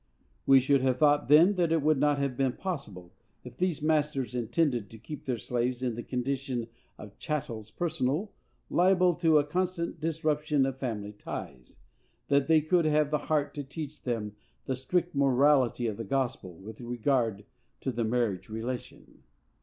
We should have thought, then, that it would not have been possible, if these masters intended to keep their slaves in the condition of chattels personal, liable to a constant disruption of family ties, that they could have the heart to teach them the strict morality of the gospel with regard to the marriage relation.